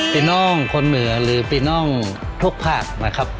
ปีนองคล์เหนือหรือปีนองทุกภาพ